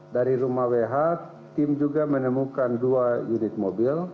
dari rumah wh tim juga menemukan dua unit mobil